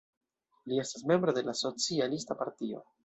Li estas membro de la Socialista Partio.